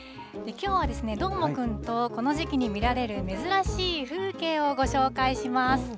きょうはどーもくんと、この時期に見られる珍しい風景をご紹介します。